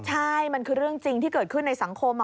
ใช่มันคือเรื่องจริงที่เกิดขึ้นในสังคม